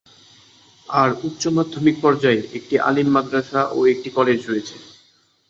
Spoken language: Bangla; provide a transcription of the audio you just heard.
আর উচ্চমাধ্যমিক পর্যায়ে, একটি আলিম মাদরাসা ও একটি কলেজ রয়েছে।